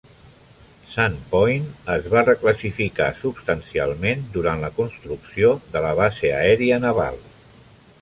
Sand Point es va reclassificar substancialment durant la construcció de la base aèria naval.